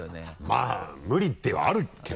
まぁ無理ではあるけど。